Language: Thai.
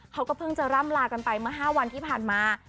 เขาก็เพิ่งจะร่ำลากันไปเมื่อ๕วันที่ผ่านมา